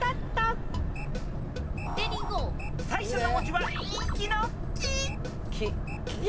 最初の文字は人気の「き」「き」「き」